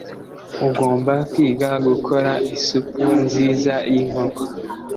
Ugomba kwiga gukora isupu nziza yinkoko.